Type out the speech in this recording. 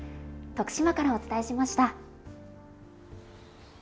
徳島からお伝えしました。